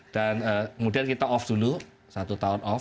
dan kemudian kita off dulu satu tahun off